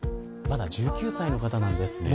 まだ１９歳の方なんです。